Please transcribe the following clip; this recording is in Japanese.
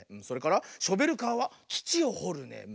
それからショベルカーはつちをほるね。